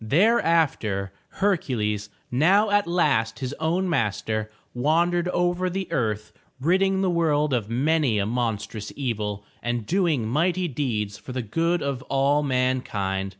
Thereafter, Hercules, now at last his own master, wandered over the earth ridding the world of many a monstrous evil and doing mighty deeds for the good of all mankind.